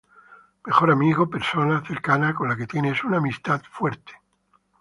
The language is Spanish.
Mejor amigo - persona cercana con la que tienes una amistad fuerte.